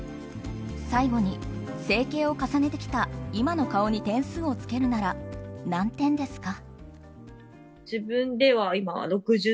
最後に整形を重ねてきた今の顔に点数をつけるなら何点ですか？